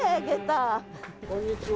こんにちは。